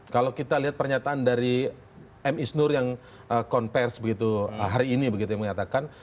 kalau kita lihat pernyataan dari m isnur yang konversi begitu hari ini begitu yang mengatakan